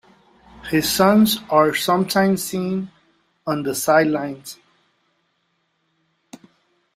His sons are sometimes seen on the sidelines.